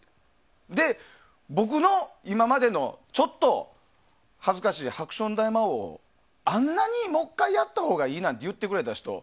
で、僕の今までのちょっと恥ずかしいハクション大魔王をあんなにもう１回やったほうがいいなんて言ってくれた人